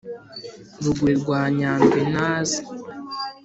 rugwe rwa nyandwi naze